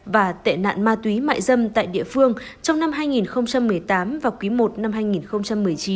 và tệ nạn ma túy mại dâm tại địa phương trong năm hai nghìn một mươi tám và quý i năm hai nghìn một mươi chín